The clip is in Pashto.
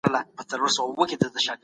موږ حسابونه کوو.